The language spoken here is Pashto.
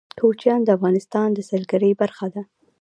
کوچیان د افغانستان د سیلګرۍ برخه ده.